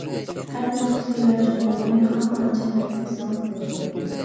خەت نۇسخىسى ۋە چوڭلۇقىنى خالىغانچە بەلگىلىسىڭىز بولىدۇ.